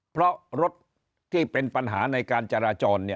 เพราะรถที่เป็นปัญหาในการจราจร